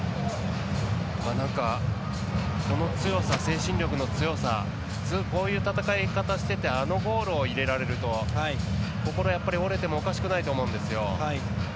なんか、この精神力の強さ普通、こういう戦い方しててあのゴールを入れられると心が折れてもおかしくないと思うんですよ。